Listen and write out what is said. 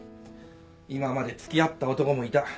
今まで付き合った男もいた。